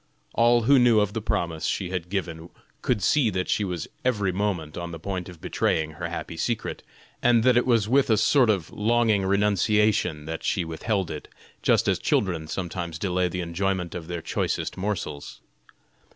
All who knew of the promise she had given could see that she was every moment on the point of betraying her happy secret, and that it was with a sort of longing renunciation that she withheld it, just as children sometimes delay the enjoyment of their choicest morsels.